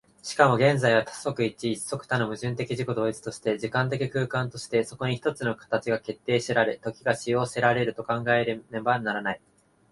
しかも現在は多即一一即多の矛盾的自己同一として、時間的空間として、そこに一つの形が決定せられ、時が止揚せられると考えられねばならない。